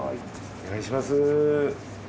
お願いします。